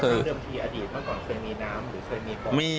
คือเริ่มที่อดีตเมื่อก่อนเคยมีน้ำหรือเคยมีบ้านไหน